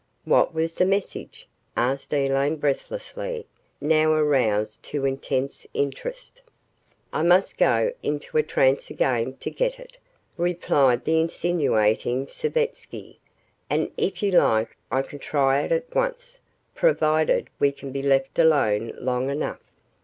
"What was the message?" asked Elaine breathlessly, now aroused to intense interest. "I must go into a trance again to get it," replied the insinuating Savetsky, "and if you like I can try it at once, provided we can be left alone long enough."